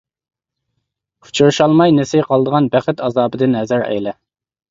ئۇچرىشالماي نېسى قالىدىغان بەخت ئازابىدىن ھەزەر ئەيلە!